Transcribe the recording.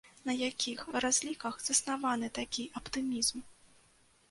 На якіх разліках заснаваны такі аптымізм?